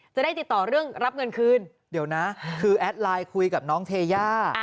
จะได้ติดต่อเรื่องรับเงินคืนเดี๋ยวนะคือแอดไลน์คุยกับน้องเทย่า